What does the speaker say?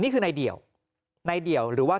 นี่คือนายเดี่ยวในเดี่ยวหรือว่า